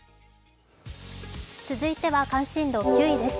続いては関心度９位です。